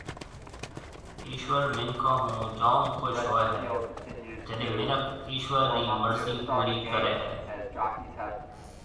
ايشوَر مِنکون هو جوم خُوش هوئي هيَ جڏي مِنک ايشوَر رِي مرضِي پورِي ڪريَ هيَ۔